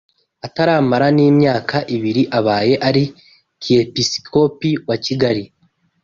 ataramara n’imyaka ibiri abaye Arikiyepisikopi wa Kigali